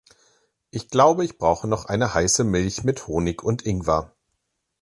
Ich glaube ich brauche noch eine heiße Milch mit Honig und Ingwer.